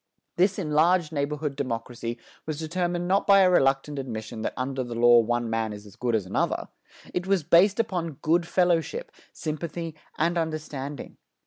This enlarged neighborhood democracy was determined not by a reluctant admission that under the law one man is as good as another; it was based upon "good fellowship," sympathy and understanding.